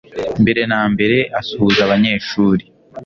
mbere na mbere asuhuza abanyeshuri